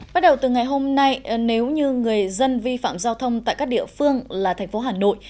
bắt đầu từ ngày hôm nay nếu như người dân vi phạm giao thông tại các địa phương là thành phố hà nội